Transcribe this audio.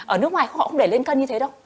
ở nước ngoài họ không để lên cân như thế đâu